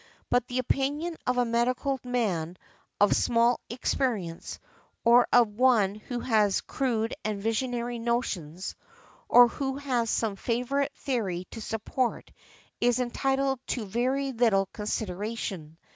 But the opinion of a medical man of small experience, or of one who has crude and visionary notions, or who has some favorite theory to |124| support is entitled to very little consideration.